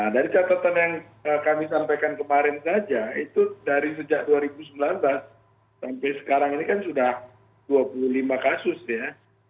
dari catatan yang kami sampaikan kemarin saja itu dari sejak dua ribu sembilan belas sampai sekarang ini kan sudah dua puluh lima kasus ya